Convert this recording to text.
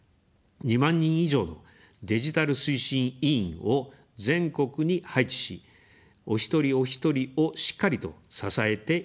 ２万人以上のデジタル推進委員を全国に配置し、お一人おひとりをしっかりと支えていきます。